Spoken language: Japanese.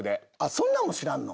そんなんも知らんの？